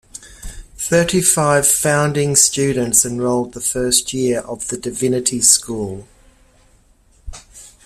Thirty-five founding students enrolled the first year of the Divinity school.